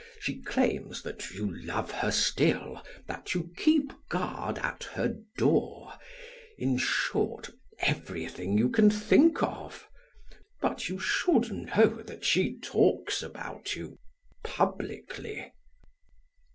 She claims that you love her still, that you keep guard at her door, in short everything you can think of; but you should know that she talks about you publicly."